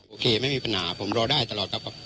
โอเคไม่มีปัญหาผมรอได้ตลอดครับ